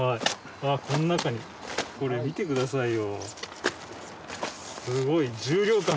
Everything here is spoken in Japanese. この中にこれ見てくださいよ。